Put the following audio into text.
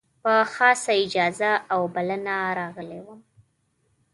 په خاصه اجازه او بلنه راغلی وم.